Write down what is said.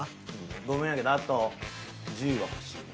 ごめんやけどあと１０は欲しいね。